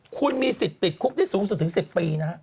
คุณมีสิทธิ์ติดคุกได้สูงสุดถึง๑๐ปีนะฮะ